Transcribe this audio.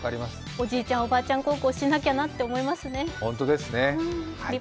おじいちゃん、おばあちゃん孝行しないと駄目だと思いますね。